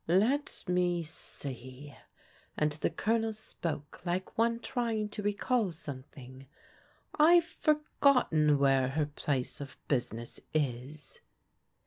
" Let me see," and the Colonel spoke like one trying to recall something, " I've forgotten where her place of business is."